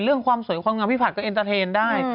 ความสวยความงามพี่ผัดก็เอ็นเตอร์เทนได้